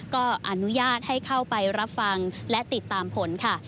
ก็อนุญาตให้เข้าไปรับฟังและติดตามผลค่ะ